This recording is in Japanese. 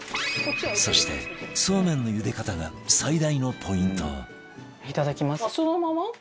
そして、そうめんのゆで方が最大のポイント美穂：そのまま？